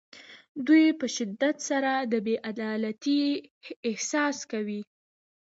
دوی په شدت سره د بې عدالتۍ احساس کوي.